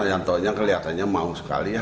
yanto nya kelihatannya mau sekali ya